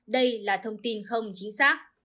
đây là thông tin không chính xác